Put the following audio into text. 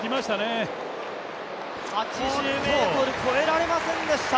８０ｍ超えられませんでした。